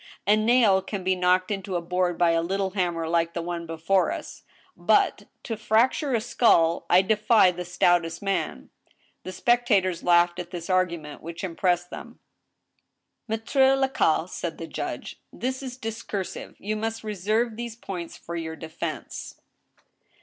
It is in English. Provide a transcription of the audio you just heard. A nail can be knocked into a board by a little hammer like the one before us. ... But, to fracture a skull, I defy the stoutest man — The spectators laug^hed at this argument, which impressed them. " Mattre Lacaille," said the judge, " this is discursive, you muse reserve these points for your defense."